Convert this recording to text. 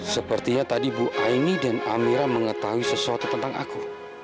sepertinya tadi bu aini dan amira mengetahui sesuatu tentang aku